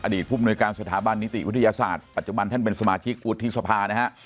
ผู้มนุยการสถาบันนิติวิทยาศาสตร์ปัจจุบันท่านเป็นสมาชิกวุฒิสภานะฮะ